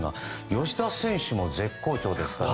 吉田選手も絶好調ですから。